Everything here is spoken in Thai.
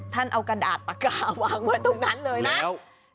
ท่านเอากระดาษปากกาวางไว้ตรงนั้นเลยนะ